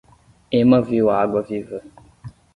Emma viu a água-viva.